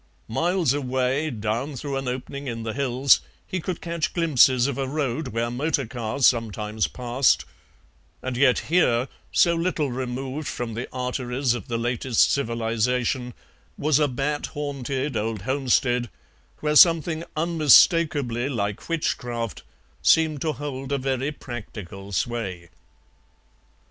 Miles away, down through an opening in the hills, he could catch glimpses of a road where motor cars sometimes passed, and yet here, so little removed from the arteries of the latest civilization, was a bat haunted old homestead, where something unmistakably like witchcraft seemed to hold a very practical sway.